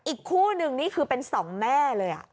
อีกคู่นึงนี่คือเป็นสองแม่เลย